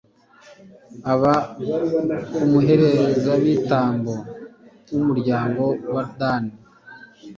aba umuherezabitambo w'umuryango wa dani